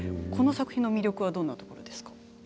この作品の魅力はどんなところですか？